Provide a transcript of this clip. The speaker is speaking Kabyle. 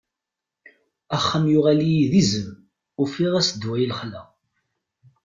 Axxam yuɣal-iyi d izem, ufiɣ-as ddwa i lexla.